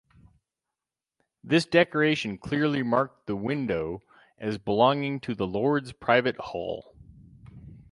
This decoration clearly marked the window as belonging to the lord's private hall.